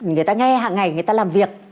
người ta nghe hằng ngày người ta làm việc